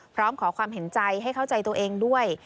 พร้อมขอความเห็นใจให้เข้าใจตัวเองด้วย